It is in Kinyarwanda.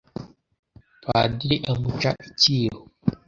padiri amuca icyiru